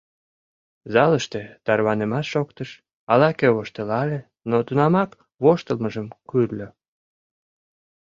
Залыште тарванымаш шоктыш, ала-кӧ воштылале, но тунамак воштылмыжым кӱрльӧ.